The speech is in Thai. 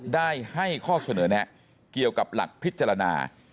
ได้ให้ข้อเสนอแนะเกี่ยวกับหลักพิจารณา